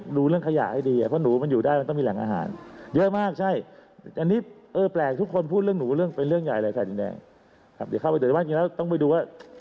หรือว่าจริงแล้วต้องไปดูว่า